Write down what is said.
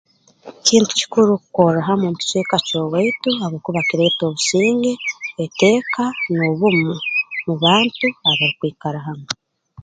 Kintu kikuru kukorra hamu omu kicweka ky'owaitu habwokuba kireeta obusinge eteeka n'obumu mu bantu abarukwikara hamu